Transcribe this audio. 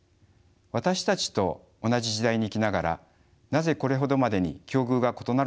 私たちと同じ時代に生きながらなぜこれほどまでに境遇が異なるのか。